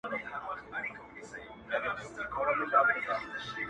مُلا او ډاکټر دواړو دي دامونه ورته ایښي!!